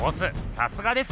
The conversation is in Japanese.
さすがです。